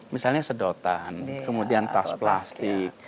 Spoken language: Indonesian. misalnya sedotan kemudian tas plastik